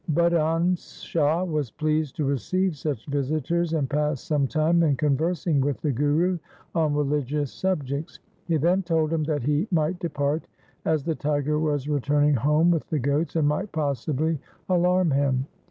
Budhan Shah was pleased to receive such visitors, and passed some time in conversing with the Guru on religious subjects. He then told him that he might depart, as the tiger was returning home with the goats and might possibly alarm him.